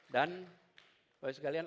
dan pak gubernur sekalian